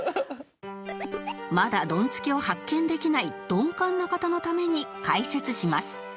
まだドンツキを発見できない鈍感な方のために解説します